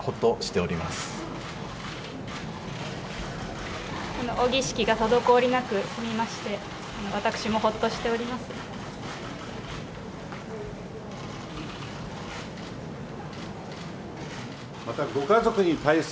お儀式が滞りなく済みまして、私もほっとしております。